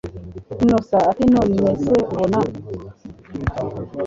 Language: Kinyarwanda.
Innocent atinonese ubona